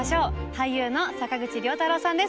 俳優の坂口涼太郎さんです。